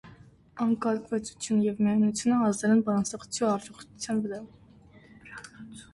Անկարգվածությունը և միայնությունը ազդել են բանաստեղծուհու առողջության վրա։